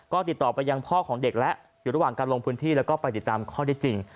ก็ติดต่อไปยังพ่อของเด็กแล้วอยู่ระหว่างการลงพื้นที่แล้วก็ไปติดตามข้อได้จริง